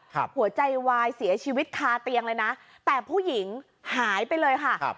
หัวใจวายเสียชีวิตคาเตียงเลยนะแต่ผู้หญิงหายไปเลยค่ะครับ